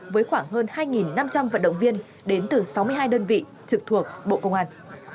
với khoảng hơn hai năm trăm linh vận động viên đến từ sáu mươi hai đơn vị trực thuộc bộ công an